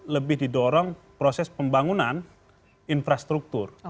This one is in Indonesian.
lebih didorong proses pembangunan infrastruktur